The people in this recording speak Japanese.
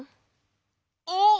あっ。